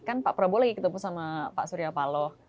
kan pak prabowo lagi ketemu sama pak surya paloh